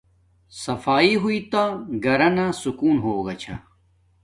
صحت ہوݵݵ تا گھرانا سکون ہوگا چھا